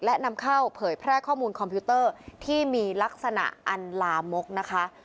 และนำเข้าเผยแพร่ข้อมูลคอมพิวเตอร์ที่มีลักษณะอันลามกนะคะ